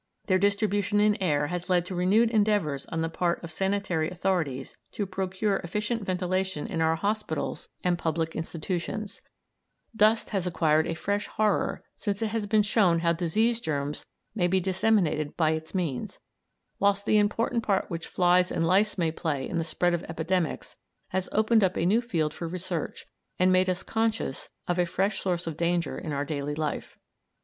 Their distribution in air has led to renewed endeavours on the part of sanitary authorities to procure efficient ventilation in our hospitals and public institutions; dust has acquired a fresh horror since it has been shown how disease germs may be disseminated by its means; whilst the important part which flies and lice may play in the spread of epidemics has opened up a new field for research, and made us conscious of a fresh source of danger in our daily life.